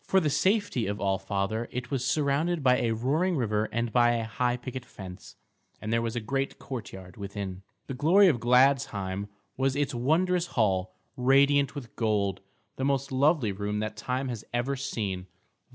For the safety of All Father it was surrounded by a roaring river and by a high picket fence; and there was a great courtyard within. The glory of Gladsheim was its wondrous hall, radiant with gold, the most lovely room that time has ever seen.